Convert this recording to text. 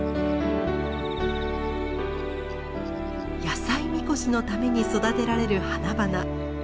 野菜神輿のために育てられる花々。